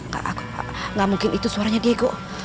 gak mungkin itu suaranya diego